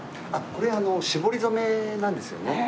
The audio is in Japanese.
これ絞り染めなんですよね。